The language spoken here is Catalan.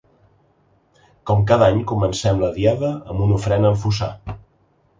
Com cada any comencem la Diada amb una ofrena al fossar.